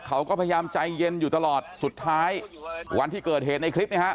เขาก็พยายามใจเย็นอยู่ตลอดสุดท้ายวันที่เกิดเหตุในคลิปเนี่ยฮะ